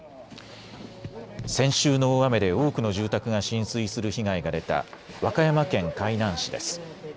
先週の大雨で多くの住宅が浸水する被害が出た和歌山県海南市です。